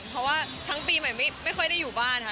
เพราะว่าทั้งปีใหม่ไม่ค่อยได้อยู่บ้านค่ะ